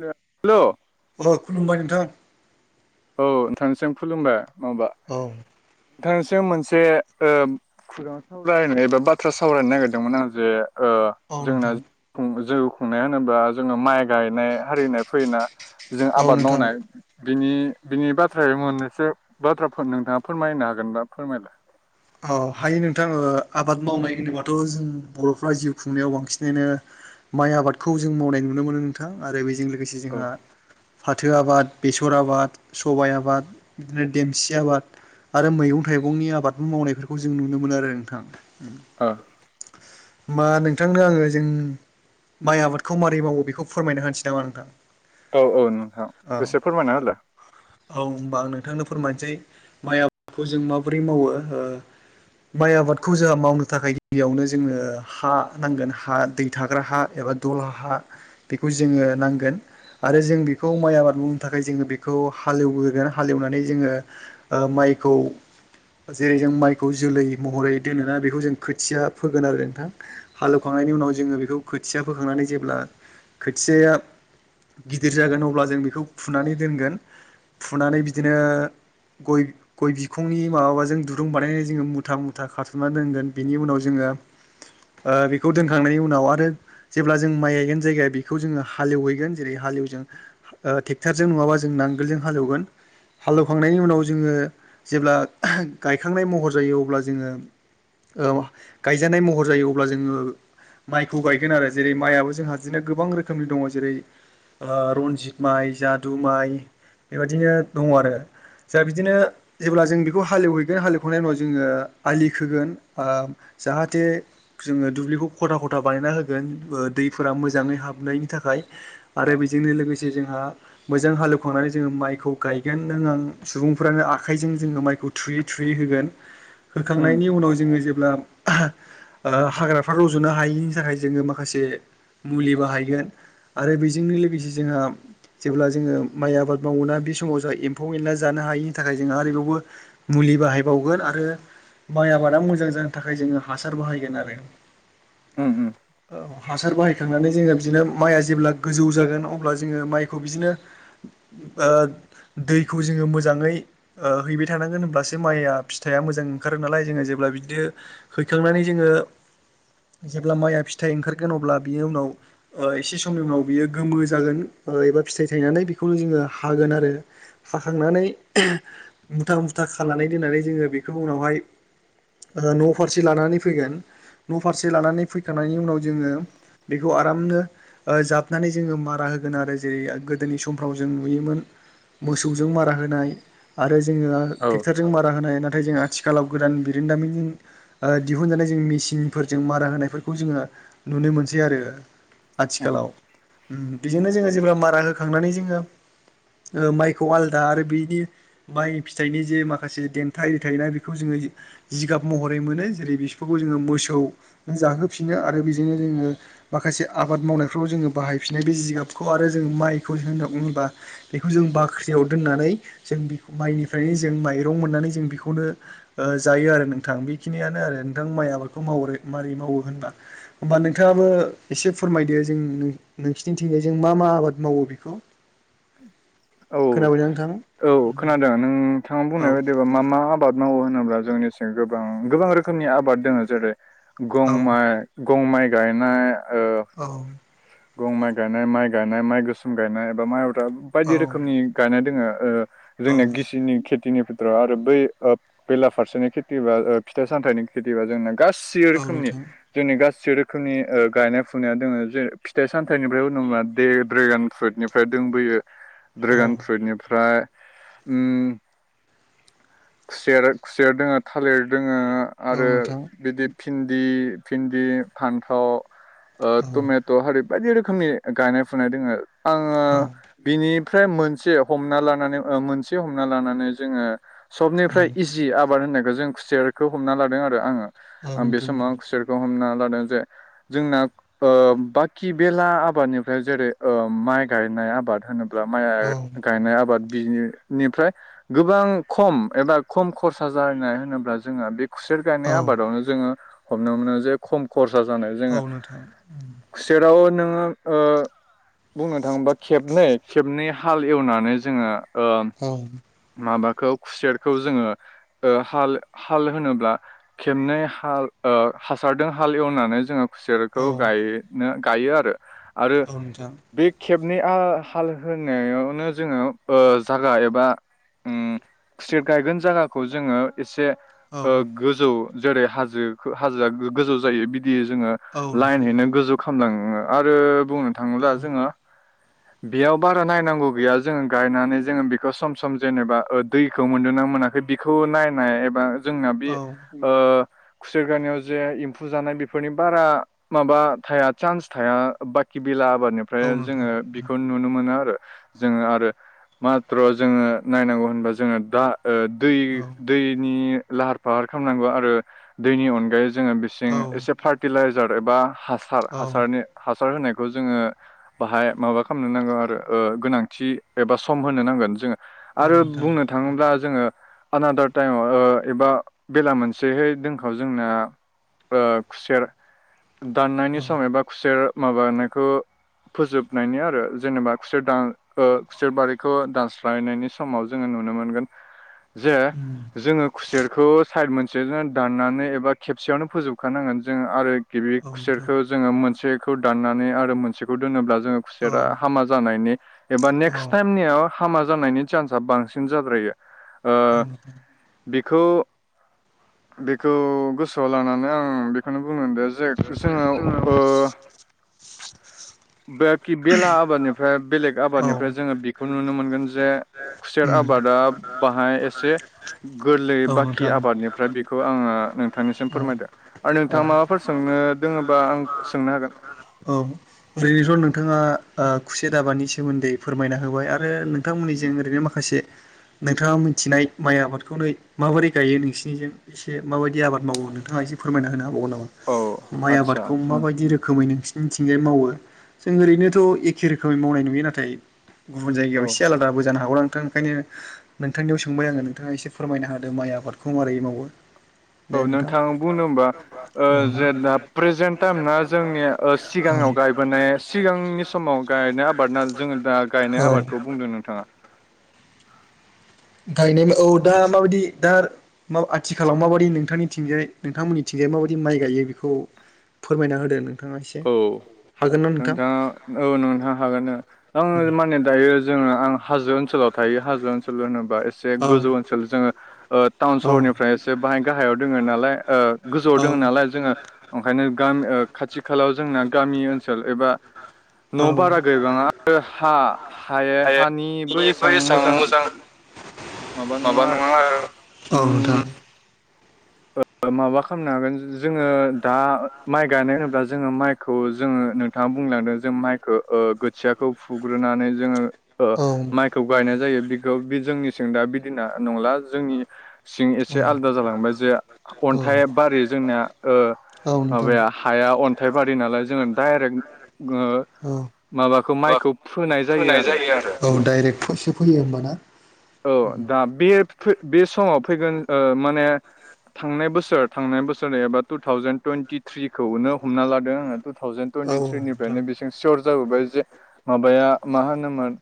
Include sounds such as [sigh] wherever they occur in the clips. Hello अह खुलुमबाय नोंथां औ नोंथांनिसिम खुलुमबाय माबा औ नोंथांनिसिम मोनसे‌ ओ खुगा सावरायनाय एबा बाथ्रा सावरायनो नागिरदोंमोन आं जे ओ जोंना जि जिउ खुंनाय होनोबा जोङो माइ गायनाय हारिनाय फैयोना जों आबाद मावनाय बिनि बिनि बाथ्रायै मोननैसो बाथ्राफोर नोंथाङा फोरमायनो हागोनबा फोरमायलां औ हायो नोंथां ओ आबाद मावनाय होनोबाथ जों बर'फ्रा जिउ खुंनायाव बांसिनैनो माइ आबादखौ जों मावनाय नुनो मोनो नोंथां आरो बेजों लोगोसे जोंहा फाथो आबाद बेसर आबाद सबाइ आबाद बिदिनो देमसि आबाद आरो मैगं थाइगंनि आबादबो मावनायफोरखौ जों नुनो मोनो आरो नोंथां आ होमबा नोंथांनो आङो जों माइ आबादखौ मारै मावो बेखौ फोरमायना होनोसै नामा नोंथां औ औ नोंथां एसे फोरमायना होलां औ होमबा आं नोंथांनो फोरमायनोसै माइ आबादखौ जों माबोरै मावो ओ माइ आबादखौ जोंहा मावनो थाखाय गिबियावनो जोङो हा नांगोन हा दै थाग्रा हा एबा दला हा बेखौ जोङो नांगोन आरो जों बेखौ माइ आबाद मावनो थाखाय जोङो बेखौ हालेवहोगोन हालेवनानै जोङो ओ माइखौ जेरै जों माइखौ जोलै महरै दोनोना बेखौ जों खोथिया फोगोन आरो नोंथां हालौवखांनायनि उनाव जोङो बेखौ खोथिया फोखांनानै जेब्ला खोथियाया गिदिर जागोन अब्ला जों बेखौ फुनानै दोनगोन फुनानै बिदिनो गय गय बिखुंनि माबाजों जों दुरुं बानायनाय जोङो मुथा मुथा खाथुमना दोनगोन बेनि उनाव जोङो ओ बेखौ दोनखांनायनि उनाव आरो जेब्ला जों माइ गायगोन जायगाया बेखौ जोङो हालेवहैगोन जेरै हालेव जों ओ ट्रेक्टरजों नङाबा जों नांगोलजों हालेवगोन हालेवखांनायनि उनाव जोङो जेब्ला गायखांनाय महर जायो अब्ला जोङो औ गायजानाय महर जायो अब्ला जोङो माइखौ गायगोन आरो जेरै माइआबो जोंहा बिदिनो गोबां रोखोमनि दङ जेरै ओ रनजित माइ जादु माइ बेबायदिनो दङ आरो जोहा बिदिनो जेब्ला जों बेखौ हालेवो बे हालेवखांनायनि उनाव जोङो आलि खोगोन ओ जाहाथे जोङो दुब्लिखौ खथा खथा बानायना होगोन दैफोरा मोजाङै हाबनायनि थाखाय आरो बेजोंनो लोगोसे जोंहा मोजां हालौवखांनानै जोङो माइखौ गायगोन नों आं सुबुंफ्रानो आखाइजों जोङो माइखौ थुयै थुयै होगोन होखांनायनि उनाव जोङो जेब्ला आ हाग्राफ्रा रज'नो हायैनि थाखाय जोङो माखासे मुलि बाहायगोन आरो बेजोंनो लोगोसे जोंहा जेब्ला जोङो माइ आबाद मावोना बे समाव जोंहा एम्फौ एनला जानो हायिनि थाखाय जों आरोबावबो मुलि बाहाय बावगोन आरो माइ आबादा मोजां जानो थाखाय जोङो हासार बाहायगोन आरो। उम उम औ हासार बाहायखांनानै जोङो बिदिनो माइआ जेब्ला गोजौ जागोन अब्ला जोङो माइखौ बिदिनो ओ दैखौ जोङो मोजाङै ओ हैबाय थानांगोन होनब्ला सो माइया फिथाइया मोजां ओंखारो नालाय जोङो जेब्ला बिदिनो हैखांनानै जोङो जेब्ला माइया फिथाइ ओंखारगोन अब्ला बियो उनाव ओ एसे समनिनाव बियो गोमो जागोन एबा फिथाइ थायनानै बेखौनो जोङो हागोन आरो हाखांनानै मुथा मुथा खानानै दोननानै जोङो बेखौ उनावहाय ओ न'फारसे लानानै फैगोन न'फारसे लानानै फैखांनायनि उनाव जोङो बेखौ आरामनो ओ जाबनानै जोङो मारा होगोन आरो जेरै गोदोनि समफ्राव जों नुयोमोन मोसौजों मारा होनाय आरो जोङो ट्रेक्टरजों मारा मारा होनाय नाथाय जों आथिखालाव गोदान बिरोंदामिनि ओ दिहुनजानाय जों मेसिनफोरजों मारा होनायफोरखौ जोङो नुनो मोनसै आरो। आथिखालाव ओम बिजोंनो जोङो जेब्ला मारा होखांनानै जोङो ओ माइखौ आलादा आरो बेनि माइ फिथाइनि जे माखासे देन्था आरि थायोना बेखौ जोङो जिगाब महरै मोनो जेरै बिसफोरखौ जोङो मोसौ जाहोफिनो आरो बेजोंनो जोङो माखासे आबाद मावनायफ्राव जोङो बाहायफिननाय बे जिगाबखौ आरो जोङो माइखौ मा होनोबा बेखौ जों बाख्रियाव दोननानै जों बे माइनिफ्रायनो जों माइरं मोननानै जों बेखौनो जायो आरो नोंथां बेखिनियानो आरो नोंथां माइ आबादखौ मावै माबोरै मावो होनबा। होमबा नोंथाङाबो एसे फोरमायदो जों नों नोंसिनि थिंजायजों मा मा आबाद मावो बेखौ। खोनाबाय ना नोंथां? बिथाङा बुंनाय बायदिबा मा मा आबाद मावो होनोब्ला जोंनि सिं गोबां गोबां रोखोमनि आबाद दङ जेरै गं माइ गम माइ गायनाय ओ औ गम माइ गायनाय माइ गायनाय माइ गोसोम गायनाय एबा मायब्रा बायदि रोखोमनि गायना दोङो ओ जोंनाया गिसिनि खेथिनि आरो बै ओ बेला फारसेनि खेथि बा फिथाइ सामथाइनि खेथि बा जोंना गासि सै रोखोमनि जोंनि गासै रोखोमनि ओ गायनाय फुनाया दोङो जे फिथाइ सामथायनिफ्राय ड्रेगान फ्रुइटनिफ्राय दोंबोयो ड्रेगान फ्रुइटनिफ्राय उ खुसियर खुसिर दोङ थालिर दोङो आरो बिदि भिन्दि भिन्दि फान्थाव टमे रोखोमनि गायनाय फुनाय दोङो आङो बिनिफ्राय मोनसे हमना लानानै मोनसे हमना लानानै जोङो सबनिफ्राय जि आबाद होननायखौ जों खुसेरखौ हमना लादों आरो आङो आं बे समाव आं खुसेरखौ हमना लादों जे जोंना बाखि बेला आबादनिफ्राय जेरै माइ गायनाय आबाद होनोब्ला माइ गायनाय आबाद बिनिफ्राय गोबां खम एबा खम खरसा जानाय होनोब्ला जोङहा बे खुसेर गायनाय आबादावनो जोङो हमना मोनो जे खम खरसा जानाय जोङो खुसेराव नोङो ओ बुंनो थाङोबा खेबनै खेबनै हाल एवनानै जोङो ओ औ माबाखौ खुसेरखौ जोङो ओ हाल हाल होनोब्ला खेबनै हाल ओ हासारदों हाल एवनानै जोङो खुसेरखौ गाय नो गायो आरो आरो बेग खेबनै ओ हाल होनायावनो जोङो ओ जागा एबा ओं खुसेर गायगोन जागाखौ जोङो एसे ओ गोजौ जेरै हाजो हाजोआ गोजौ जायो बिदि जोङो लाइन हैैनो गोजौ खामलाङो आरो बुंनो थाङोब्ला जोङो बेयाव बारा नायनांगौ गैया जोङो गायनानै जोङो बेखौ सम सम जेनेबा ओ दैखौ मोन्दोंना मोनाखै बिखौ नायनाय एबा जोंना बे ओ खुसेर गायनायाव जे एम्फौ जानाय बेफोरनि बारा माबा थाया सान्स थाया बाखि बेला आबादनि ओमफ्राय जोङो बेखौ नुनो मोनो आरो जोङो आरो मत्र जोङो नायनांगौ होनबा जोङो दा ओ दै दैनि लाहार फाहार खामनांगौ आरो दैनि अनगायै जोङो बेसिं एसे फार्टिलाइजार एबा हास [unintelligible] हासारनि हासार होनायखौ जोङो बाहाय माबा खामनो नांगौ आरो ओ गोनांथि एबा सम होनो नांगोन जोङो। आरो बुंनो थाङोब्ला जोङो आनादार टाइमाव ओ एबा बेला मोनसेहै दोंखाव जोंना ओ खुसेर दाननायनि सम एबा खुसेर माबानायखौ फोजोबनायनि आरो जेनेबा खुसेर दान ओ खुसेर बारिखौ दानस बानायनायनि समाव जोङो नुनो मोनगोन जे जोङो खुसेरखौ साइद मोनसेजों दाननानै एबा खेबसेयावनो फोजोबखानांगोन जों आरो गिबि खुसेरखौ जोङो मोनसेखौ दाननानै आरो मोनसेखौ दोनोब्ला जोङो खुसेरा हामा जानायनि एबा नेक्स्ट टाइमनियाव हामा जानायनि सान्सा बांसिन जाद्रायो। [inaudible] बेखौ बेखौ गोसोआव लानानै आं बेखौनो बुङो देस [unintelligible] जोङो ओ बाखि बेला आबादनिफ्राय बेलेग आबादनिफ्राय जोङो बेखौ नुनो मोनगोन जे खुसेर आबादा बाहाय एसे गोरलै बाखि आबादनिफ्राय बि खौ आङो नोंथांनिसिम फोरमायदो आरो नोंथाङा माबाफोर सोंनो दोङोबा आं सोंनो हागोन। औ ओरैनोथ' नोंथाङा खुसेर आबादनि सोमोन्दै फोरमायना होबाय आरो नों थां मोननिजिं ओरैनो माखासे नोंथाङा मिथिनाय माइ आबादखौ नै माबोरै गायो नोंसिनिजों? एसे माबायदि आबाद मावो नोंथाङा एसे फोरमायना होनो हाबावगोन नामा? माइ आबादखौ माबायदि रोखोमै नोंसि जोंथिंजाय मावो जों ओरैनोथ' एखे रोखोमै मावनाय नुयो नाथाय गुबुन जायगायाव एसे आलादाबो जानो हागौ ना नोंथां ओंखायनो नोंथांनियाव सोंबाय आङो नोंथाङा एसे फोरमायना होदो माइ आबादखौ मारै मावो? औ नोंथां बुनोबा ओ जे दा प्रेजेन्ट टाइम ना जोंनिया ओ सिगाङाव गायबोनाय सिगांनि समाव गायनाय आबाद ना जोङो दा गायनाय आबादखौ बुंदो नोंथाङा? गायनाय औ दा माबायदि दा माव आथिखालाव माबायदि नोंथांनिथिंजाय नोंथांमोननिथिंजाय माबायदि माइ गायो बिखौ फोरमायना होदो नों। औ नोंथाङा औ नोंथां हागोन ओ आं माने दायो जोङो आं हाजो ओनसोलाव थायो हाजो ओनसोल होनोबा एसे गोजौ ओनसोल जोङो ओ टाउन सहरनिफ्राय एसे बाहाय गाहायाव दोंओ नालाय ओ गोजौआव दोङो नालाय जोङो ओंखायनो गाम ओ खाथि खालाव जोंना गामि ओनसोल एबा न' बारा गैबाङा आरो हा हाया हानिबो एसेबां मोजां माबा नङा आरो ओ माबा खामनो हागोन जोङो दा माइ गायनाय होनोब्ला जोङो माइ खौ जोङो नोंथाङा बुंलांदों जों माइखो ओ खोथियाखौ फुग्रोनानै जोङो ओ माइखौ गायनाय जायो बेखौ बे जोंनिथिं दा बे दिना नंला जोंनि सिं एसे आलदा जालांबाय जे अन्थाइबारि जोंनिया ओ माबाया हाया अन्थाइ बारि नालाय जोङो डाइरेक्ट ओ माबाखौ माइखौ फोनाय जायो आरो। औ दायरेक्ट फोरसो फोयो होमबाना? औ दा बे फै बे समाव फैगोन ओ माने थांनाय बोसोर थांनाय बोसोर एबा टु थावजेन टुइेनटि थ्रिखौनो हमना लादों आङो टु थावजेन टुइन्टिथ्रिनिफ्रायनो बेसिम सियर जाबोबाय जे माबाया मा होनोमोन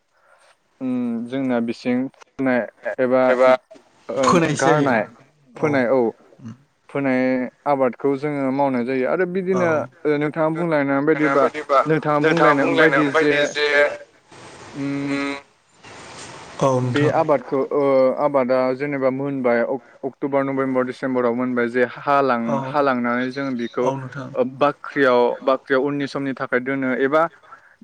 ओम जोंना बिसिं नाय एबा ओ गारनाय फोनाय औ फोनाय आबादखौ जोङो मावनाय जायो। रो बिदिनो ओ नोंथाङा बुंलायनाय बायदिबा नोंथाङा बुंलायनाय बायदि जे उम बे आबादखौ ओ आबादा जेनेबा मोनबाय अक्ट'बर नबेम्बर डिसेम्बराव मोनबाय जे हालां हालांनानै जों बेखौ ओ बा ख्रियाव बाख्रियाव उननि समनि थाखाय दोनो एबा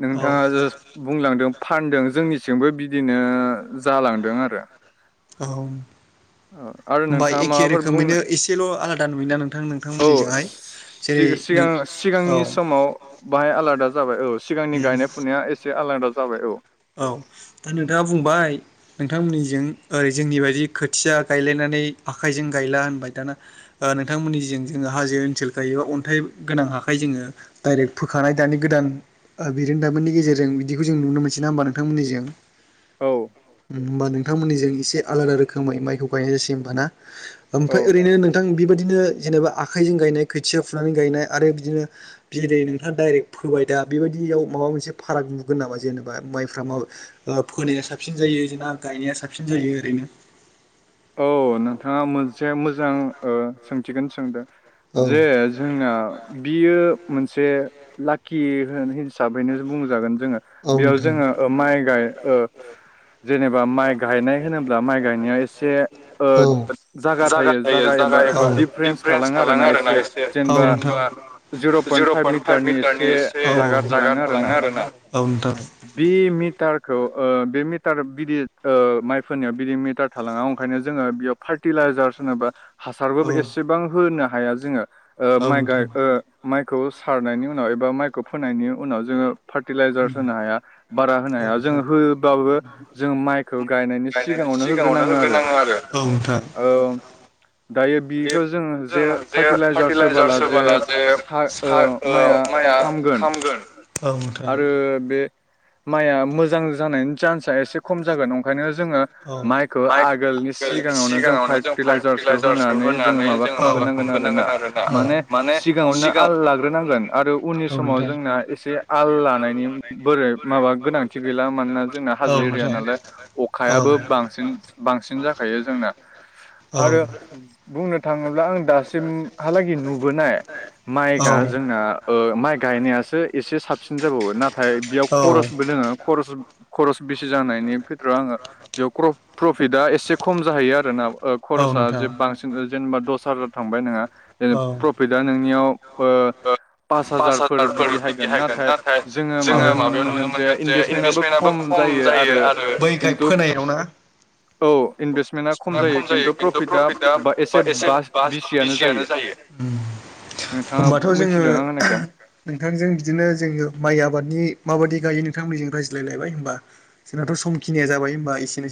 नोंथाङा जास्ट बुंलांदों फानदों जोंनिथिंबो बिदिनो जालांदों आरो। औ होमबा एखे रोखोमैनो एसेल' आलादा नुयोना नोंथां नोंथांमोननिजोंहाय? जेरै नों औ बाहाय आलादा जाबाय औ सिगांनि गायनाय फुनाया एसे आलादा जाबाय औ। औ दा नोंथाङा बुंबाय नोंथांमोननिजों ओरै जोंनि बायदि खोथिया गायलायनानै आखाइजों गायला होनबाय दाना ओ नोंथांमोननिजों जोङो हाजो ओनसोलखाय एबा अन्थाइ गोनां हाखाइ जोङो डाइरेक्ट फोखानाय दानि गोदान ओ बिरोंदामोननि गेजेरजों बिदिखौ जों नुनो मोन सैना होमबा नोंथांमोननिजों। औ ओम होमबा नोंथांमोननिजों एसे आलादा रोखोमै माइखौ गायनाय जासै होमबा ना ओमफ्राय ओरैनो नों थां बेबायदिनो जेनेबा आखाइजों गायनाय खोथिया फुनानै गायनाय आरो बिदिनो बिरै नोंथाङा डाइरेक्ट फोबाय दा बेबायदियाव माबा मोनसे फाराग नुगोन नामा जेनेबा माइफ्रा माबा ओ फोनाया साबसिन जायो जोना गायनाया साबसिन जायो ओरैनो? औ नोंथाङा मोनसे मोजां ओ सोंथिखोनो सोंदो। जे जोंना बियो मोनसे लाकि होन हिसाबैनो बुंजागोन जोङो। बेयाव जोङो ओ माइ गाय ओ जेनेबा माइ गायनाय होनोब्ला माइ गायनाया एसे ओ जागा थायो जागायावबा दिडिफारेन्स थाङो आरोना एसे। औ नोंथां। जिर' पयन्ट फाइभ मिटारनि एसे जायगा थालाङो आरो ना। औ नोंथां। बि मिटारखौ ओ बे मिटार बिदिर ओ माइफोरनायाव बिदि मिटार थालाङा ओंखायनो जोङो बेयाव फार्टिलाइजार्स होनोबा हासारबोबो एसेबां होनो हाया जोङो ओ माइ गाय ओ माइखौबो सारनायनि उनाव एबा माइखौ फोनायनि उनाव जोङो फार्टिलाइ जार्स होनो हाया बारा होनो हाया जोङो होबाबो जों माइखौ गायनायनि सिगाङावनो होग्रोनाङो आरो ओ दायो बि खौ जोङो जे फार्टिलाइजार्स होबोला जे सा ओ माइआ खामगोन [unintelligible] आरो बे माइआ मोजां जानायनि चान्सआ एसे खम जागोन ओंखायनो जोङो माइखौ आगोलनि सिगाङावनो जों फार्टिलाइजार्सखौ होनानै जोङो माबा होमबोनांगोन आरोना माने सिगाङावनो आल लाग्रोनांगोन आरो उननि समाव जोंना एसे आल आल लानायनि बोरै माबा गोनांथि गैला मानोना जोंना हाजो एरिया नालाय हायाबो बांसिन-बांसिन जाखायो जोंना। औ। बुंनो थाङोब्ला आं दासिमहालागै नुबोनाय माइ गा जोंना ओ माइ गायनायासो एसे साबसिन जाबावो नाथाय बेयाव खरसबो दोङो खरस-खरस बिसि जानायनि खेथ्र'आव आङो बेयाव क्रप प्रफिटआ एसे खम जाहैयो आरोना ओ खरसाआ जे बांसिन जेनेबा दस हाजार थांबाय नोंहा ओ प्र फिदा नोंनियाव ओ पस हाजारफोर बिदि हायगोनना नाथाय जोङो माबायाव नुनो मोनगोन जे इनभेस्टमेन्टआबो खम जायो आरो बै गाय फोनायाव ना? औ इनभेस्टमेन्टआ खम जायो खिन्थु प्रफिटआ बा एसे बा बिसियनो जायो। नोंथाङा मोनथिदों आं होननायखौ। नोंथांजों बिदिनो जोङो माइ आबादनि माबायदि गायो नोंथांमोननिजों रायज्लायलायबाय होनबा। जोंनाथ' समखिनिया जाबाय होनोमबा एसेनोसै।